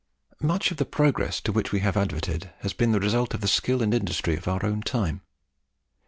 Much of the progress to which we have adverted has been the result of the skill and industry of our own time.